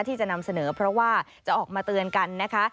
ที่จะนำเสนอเพราะว่าจะออกมาเตือนกันนะคะ